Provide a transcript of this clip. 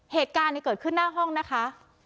เหตุการณ์เกิดขึ้นหน้าห้องนะคะ